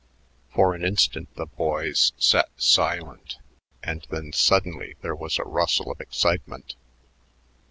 For an instant the boys sat silent, and then suddenly there was a rustle of excitement.